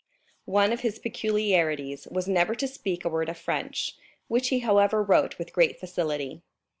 One of his peculiarities was never to speak a word of French, which he however wrote with great facility."